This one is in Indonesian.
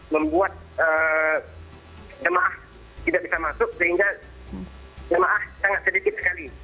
membuat jemaah tidak bisa masuk sehingga jemaah sangat sedikit sekali